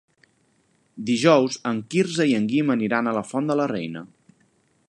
Dijous en Quirze i en Guim aniran a la Font de la Reina.